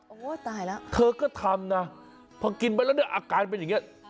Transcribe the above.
โอ้โหตายแล้วเธอก็ทำนะพอกินไปแล้วเนี่ยอาการเป็นอย่างนี้